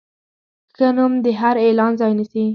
ښه نوم د هر اعلان ځای نیسي.